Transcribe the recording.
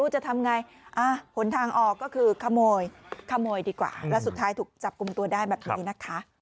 จับกลุ่มตัวได้แบบนี้นะคะ